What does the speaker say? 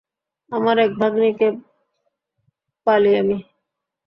আমার এক ভাগ্নিকে পালি আমি।